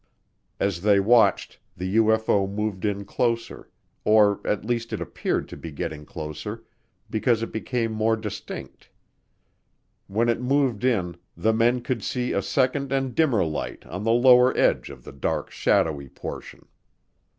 As they watched, the UFO moved in closer, or at least it appeared to be getting closer because it became more distinct. When it moved in, the men could see a second and dimmer light on the lower edge of the dark, shadowy portion.